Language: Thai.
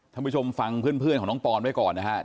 ท่านผู้ชมฟังเพื่อนของน้องปอนไว้ก่อนนะครับ